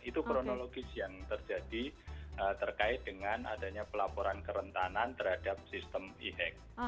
itu kronologis yang terjadi terkait dengan adanya pelaporan kerentanan terhadap sistem e hack